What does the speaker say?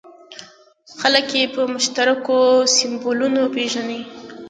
خلک یې په مشترکو سیمبولونو پېژني.